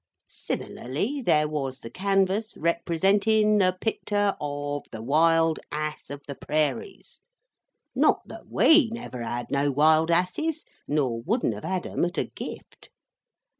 Similarly, there was the canvass, representin the picter of the Wild Ass of the Prairies—not that we never had no wild asses, nor wouldn't have had 'em at a gift.